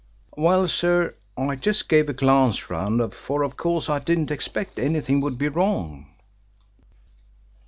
"Well, sir, I just gave a glance round, for of course I didn't expect anything would be wrong."